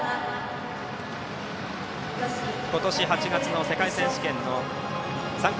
今年８月の世界選手権の参加